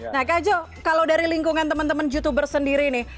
nah kak jo kalau dari lingkungan teman teman youtuber sendiri nih